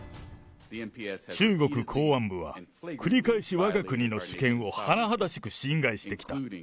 中国公安部は、繰り返しわが国の主権をはなはだしく侵害してきた。